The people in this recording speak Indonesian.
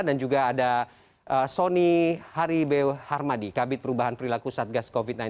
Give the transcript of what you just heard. dan juga ada sonny haribeu harmadi kabit perubahan perilaku satgas covid sembilan belas